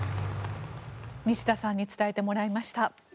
西田さんに伝えてもらいました。